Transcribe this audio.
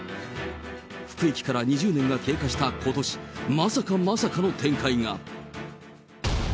服役から２０年が経過したことし、まさかまさかの展開が。